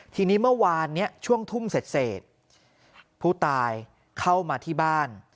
ทีนี้เมื่อวานนี้ช่วงทุ่มเสร็จผู้ตายเข้ามาที่บ้าน